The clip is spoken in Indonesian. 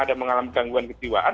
ada mengalami gangguan kejiwaan